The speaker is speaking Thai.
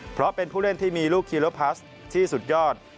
เพราะเป็นผู้เล่นที่มีลูกคีโลพลัสที่สุดยอด